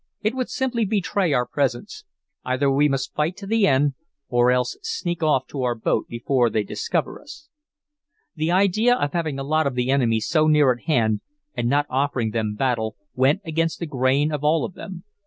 It would simply betray our presence. Either we must fight to the end, or else sneak off to our boat before they discover us." The idea of having a lot of the enemy so near at hand and not offering them battle, went against the grain of all of them.